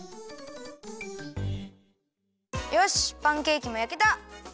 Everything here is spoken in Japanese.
よしパンケーキもやけた！